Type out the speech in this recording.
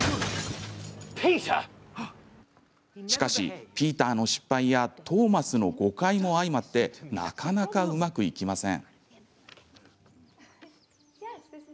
しかし、ピーターの失敗やトーマスの誤解も相まってなかなか、うまくいきません。